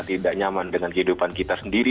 tidak nyaman dengan kehidupan kita sendiri